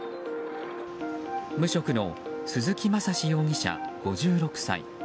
無職の鈴木雅詞容疑者、５６歳。